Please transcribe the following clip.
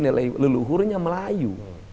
nilai leluhurnya melayu